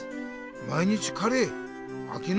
毎日カレー？あきないの？